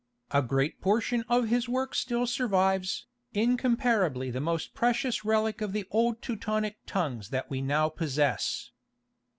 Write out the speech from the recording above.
A great portion of his work still survives, incomparably the most precious relic of the old Teutonic tongues that we now possess.